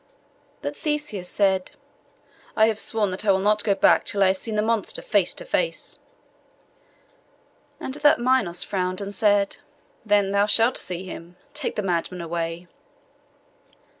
But Theseus said, 'I have sworn that I will not go back till I have seen the monster face to face.' And at that Minos frowned, and said, 'Then thou shalt see him; take the madman away.